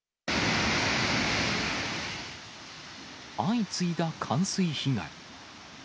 相次いだ冠水被害。